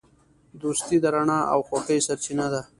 دوستي د رڼا او خوښۍ سرچینه ده.